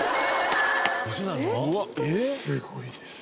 すごいです。